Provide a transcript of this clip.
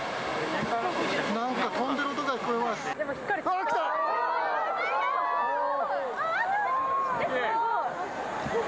なんか飛んでる音が聞こえます。